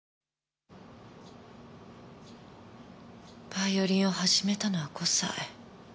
ヴァイオリンを始めたのは５歳。